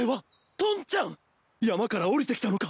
山から下りてきたのか？